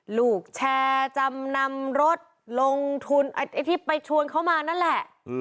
ลูกแชร์จำนำรถลงทุนที่ไปชวนเขามานั่นแหละ